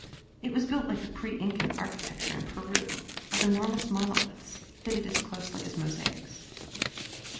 It was built like the pre Incan architecture in Peru, of enormous monoliths, fitted as closely as mosaics.